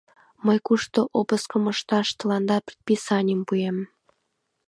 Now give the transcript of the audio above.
Мый кушто обыскым ышташ тыланда предписанийым пуэм.